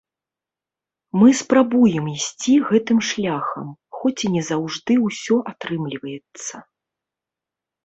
Мы спрабуем ісці гэтым шляхам, хоць і не заўжды ўсё атрымліваецца.